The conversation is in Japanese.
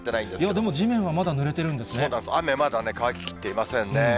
でも地面はまだぬれてるんで雨まだね、乾ききっていませんね。